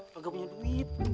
gak punya duit